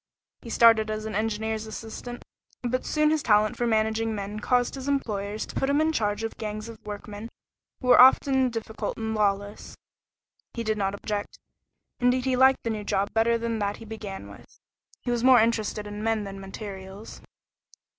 He started as an engineer's assistant, but soon his talent for managing men caused his employers to put him in charge of gangs of workmen who were often difficult and lawless. He did not object; indeed he liked the new job better than that he began with. He was more interested in men than materials.